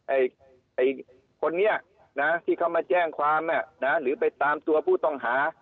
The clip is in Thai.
ไอ้คนนี้นะที่เขามาแจ้งความหรือไปตามตัวผู้ต้องหา